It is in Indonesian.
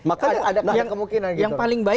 ada kemungkinan gitu